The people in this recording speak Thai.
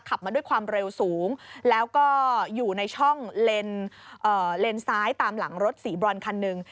ขับมาด้วยความเร็วสูงแล้วก็อยู่ในช่องเลนซ้ายตามหลังรถสีบรอนคันหนึ่ง